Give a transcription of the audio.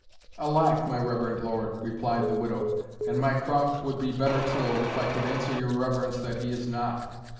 "Alack! my reverend lord," replied the widow, "and my croft would be better tilled, if I could answer your reverence that he is not.